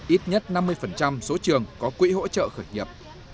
ít nhất năm mươi số trường có quỹ hỗ trợ khởi nghiệp